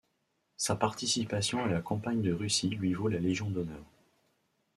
Sa participation à la Campagne de Russie lui vaut la Légion d'honneur.